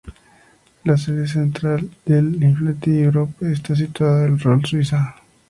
La sede central de Infiniti Europe está situada en Rolle, Suiza.